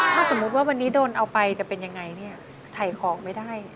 ถ้าสมมุติว่าวันนี้โดนเอาไปจะเป็นยังไงเนี่ยถ่ายของไม่ได้